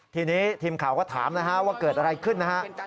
ทีนี้ทีมข่าวก็ถามนะฮะว่าเกิดอะไรขึ้นนะฮะ